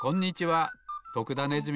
徳田ネズミです。